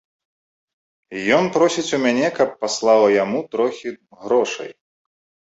Ён просіць у мяне, каб паслала яму трохі грошай.